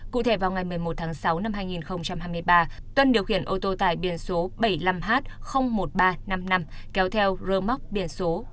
cụ thể vào ngày một mươi một tháng sáu năm hai nghìn hai mươi ba tuân điều khiển ô tô tải biển số bảy mươi năm h một nghìn ba trăm năm mươi năm kéo theo rơ móc biển số bảy mươi năm r bảy trăm hai mươi bảy